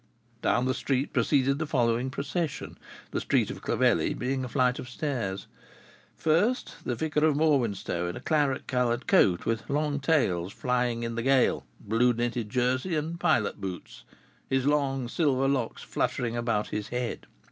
Down the street proceeded the following procession the street of Clovelly being a flight of stairs: First, the vicar of Morwenstow in a claret colored coat, with long tails flying in the gale, blue knitted jersey, and pilot boots, his long silver locks fluttering about his head.